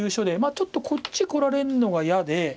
ちょっとこっちこられるのが嫌で。